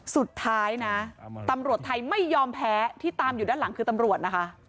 สุดท้ายนะตำรวจไทยไม่ยอมแพ้ที่ตามอยู่ด้านหลังคือตำรวจนะคะ